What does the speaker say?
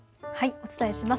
お伝えします。